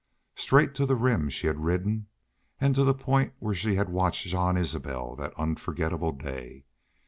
Straight to the Rim she had ridden, and to the point where she had watched Jean Isbel that unforgetable day.